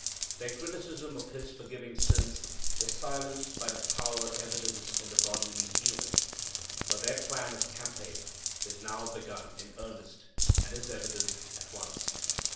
Their criticism of His forgiving sins is silenced by the power evidenced in the bodily healing. But their plan of campaign is now begun in earnest, and is evident at once.